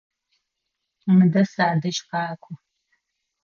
Мыдэ садэжь къакӏо!